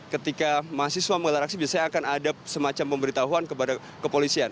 ketika mahasiswa menggelar aksi biasanya akan ada semacam pemberitahuan kepada kepolisian